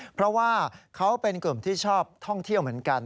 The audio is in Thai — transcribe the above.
เพราะว่าเขาเป็นกลุ่มที่ชอบท่องเที่ยวเหมือนกัน